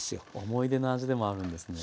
思い出の味でもあるんですね。